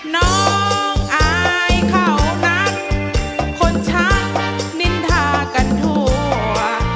น้องอายเขารักคนช้างนินทากันทั่ว